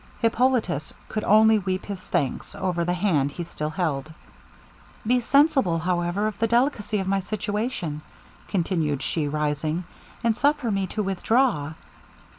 Hippolitus could only weep his thanks over the hand he still held. 'Be sensible, however, of the delicacy of my situation,' continued she, rising, 'and suffer me to withdraw.'